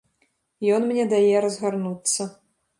Ён мне дае разгарнуцца.